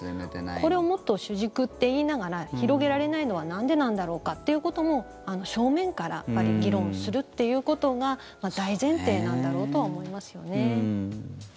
これをもっと主軸って言いながら広げられないのはなんでなんだろうかということも正面から議論するということが大前提なんだろうとは思いますよね。